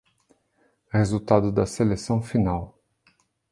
Resultado da seleção final